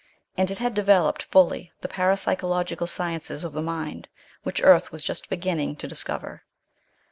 And it had developed fully the parapsychological sciences of the mind, which Earth was just beginning to discover.